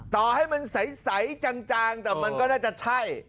ต่อให้มันใสจางแต่มันก็น่าจะใช่